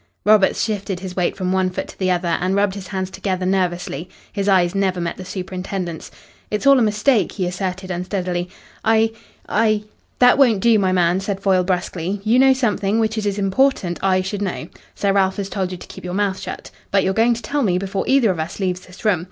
Roberts shifted his weight from one foot to the other and rubbed his hands together nervously. His eyes never met the superintendent's. "It's all a mistake," he asserted unsteadily. "I I " "That won't do, my man," said Foyle brusquely. "You know something which it is important I should know. Sir Ralph has told you to keep your mouth shut. But you're going to tell me before either of us leaves this room.